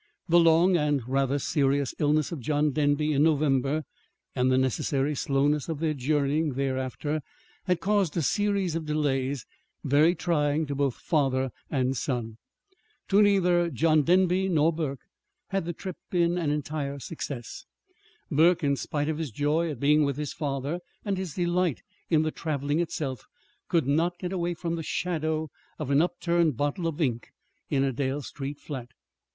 The long and rather serious illness of John Denby in November, and the necessary slowness of their journeying thereafter, had caused a series of delays very trying to both father and son. To neither John Denby nor Burke had the trip been an entire success. Burke, in spite of his joy at being with his father and his delight in the traveling itself, could not get away from the shadow of an upturned bottle of ink in a Dale Street flat.